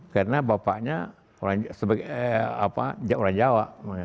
karena bapaknya orang jawa